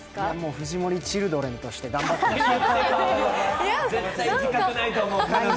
藤森チルドレンとして頑張ってほしいです。